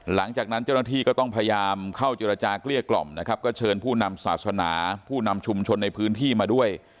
หลังจากนั้นเจ้าหน้าที่ก็ต้องพยายามเข้าเจรจาเกลี้ยกล่อมนะครับก็เชิญผู้นำศาสนาผู้นำชุมชนในพื้นที่มาด้วย